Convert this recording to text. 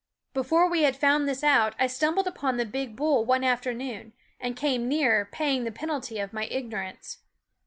Before we had found this out I stumbled upon the big bull one afternoon, and came near paying the penalty of my ignorance.